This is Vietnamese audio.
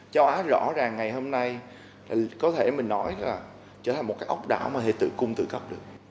châu á rõ ràng ngày hôm nay có thể mình nói là trở thành một cái ốc đảo mà hệ tự cung tự cấp được